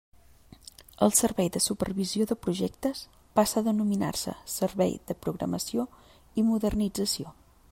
El Servei de Supervisió de Projectes passa a denominar-se Servei de Programació i Modernització.